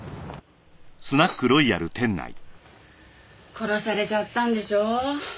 殺されちゃったんでしょ？